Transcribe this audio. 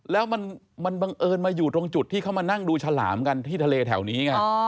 แล้วมันบังเอิญมาอยู่ตรงจุดที่เขามานั่งดูฉลามกันที่ทะเลแถวนี้ไง